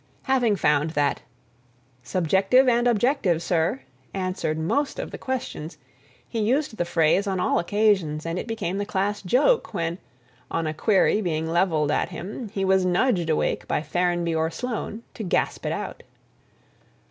Having found that "subjective and objective, sir," answered most of the questions, he used the phrase on all occasions, and it became the class joke when, on a query being levelled at him, he was nudged awake by Ferrenby or Sloane to gasp it out.